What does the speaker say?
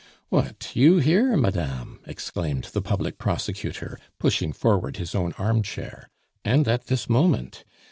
"What, you here, madame!" exclaimed the public prosecutor, pushing forward his own armchair, "and at this moment!